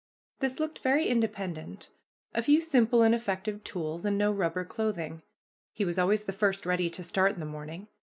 This looked very independent a few simple and effective tools, and no rubber clothing. He was always the first ready to start in the morning.